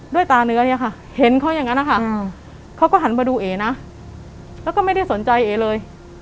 ตาเนื้อเนี่ยค่ะเห็นเขาอย่างนั้นนะคะเขาก็หันมาดูเอนะแล้วก็ไม่ได้สนใจเอเลย